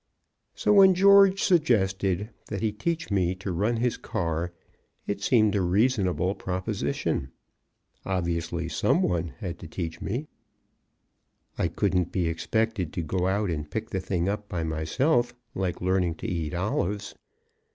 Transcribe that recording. So, when George suggested that he teach me to run his car, it seemed a reasonable proposition. Obviously, some one had to teach me. I couldn't be expected to go out and pick the thing up by myself, like learning to eat olives.